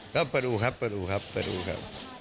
ก็เปิดอู่ครับเปิดอู่ครับ